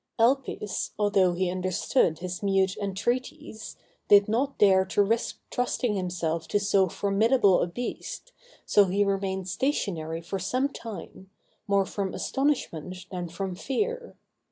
Elpis, although he understood his mute entreaties, did not dare to risk trusting himself to so formidable a beast, so he remained stationary for some time, more from astonishment than from fear.